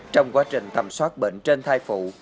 trong quá trình thẩm soát bệnh trên thai phụ